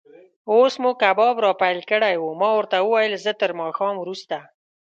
اوس مو کباب را پیل کړی و، ما ورته وویل: زه تر ماښام وروسته.